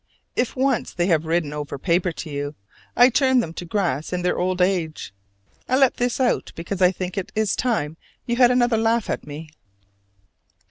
If once they have ridden over paper to you, I turn them to grass in their old age. I let this out because I think it is time you had another laugh at me.